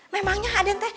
memangnya aden teh